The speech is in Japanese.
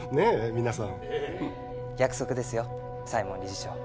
皆さんええ約束ですよ西門理事長